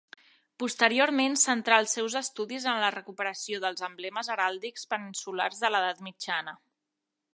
Posteriorment centrà els seus estudis en la recuperació dels emblemes heràldics peninsulars de l'edat mitjana.